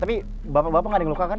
tapi bapak bapak nggak ada yang luka kan